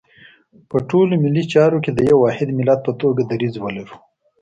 په ټولو ملي چارو کې د یو واحد ملت په توګه دریځ ولرو.